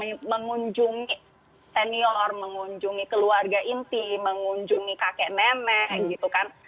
yang mengunjungi senior mengunjungi keluarga inti mengunjungi kakek nenek gitu kan